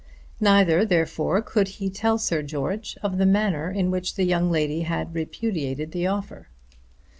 Neither, therefore, could he tell Sir George of the manner in which the young lady had repudiated the offer.